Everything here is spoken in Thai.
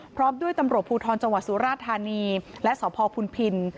พร้อมด้วยตำรวจภูทรจังหวัดสุราธานีและสพพุนพิน